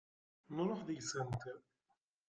Nruḥ deg-sent.